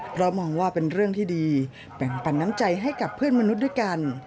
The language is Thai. เพราะมองว่าเป็นเรื่องที่ดีแบ่งปันน้ำใจให้กับเพื่อนมนุษย์ด้วยกัน